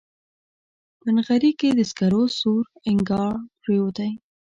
په نغري کې د سکرو سور انګار پرېوتی